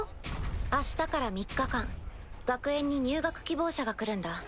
明日から３日間学園に入学希望者が来るんだ。